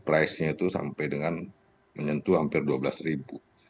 price nya itu sampai dengan menyentuh hampir dua belas ribu